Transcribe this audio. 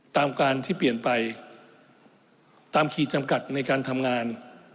ตามการที่เปลี่ยนไปตามขีดจำกัดในการทำงาน